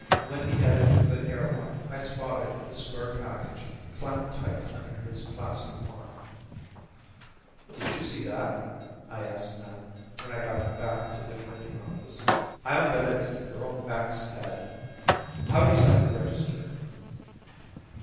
When he headed for the airlock I spotted the square package clamped tight under his plastic arm. "Did you see that?" I asked Min when I got back to the Renting Office. "I'll bet it's the girl mech's head. How'd he sign the register?"